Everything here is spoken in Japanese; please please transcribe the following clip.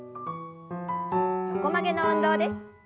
横曲げの運動です。